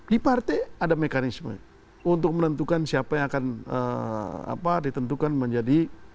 di partai ada mekanisme untuk menentukan siapa yang akan ditentukan menjadi